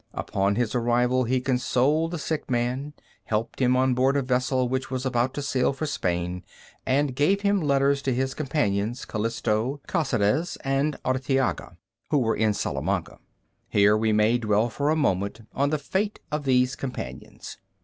Upon his arrival he consoled the sick man, helped him on board a vessel which was about to sail for Spain, and gave him letters to his companions, Calisto, Caceres, and Artiaga, who were in Salamanca. Here we may dwell for a moment on the fate of these companions.